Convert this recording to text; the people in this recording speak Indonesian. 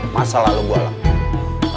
masalah lu gua lap